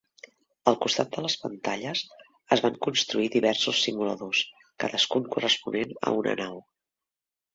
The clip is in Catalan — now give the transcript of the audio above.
Al costat de les pantalles, es van construir diversos simuladors, cadascun corresponent a una nau.